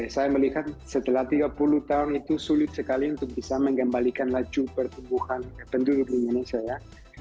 saya melihat setelah tiga puluh tahun itu sulit sekali untuk bisa mengembalikan laju pertumbuhan penduduk di indonesia ya